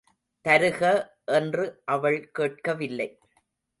தருக என்று அவள் கேட்கவில்லை.